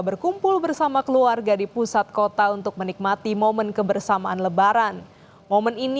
berkumpul bersama keluarga di pusat kota untuk menikmati momen kebersamaan lebaran momen ini